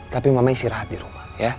tapi mama istirahat di rumah